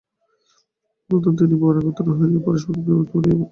অনন্তর তিন বর একত্র হইয়া পরস্পর বিবাদ করিয়া কহিতে লাগিল আমিই ইহার পাণি গ্রহণাধিকারী।